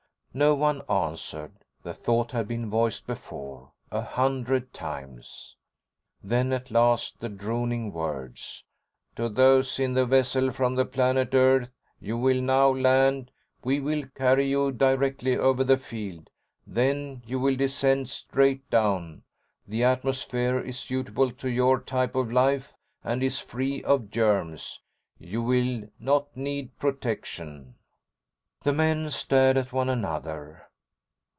No one answered. The thought had been voiced before, a hundred times. Then, at last, the droning words: "To those in the vessel from the planet Earth: You will now land. We will carry you directly over the field. Then you will descend straight down. The atmosphere is suitable to your type of life and is free of germs. You will not need protection." The men stared at one another.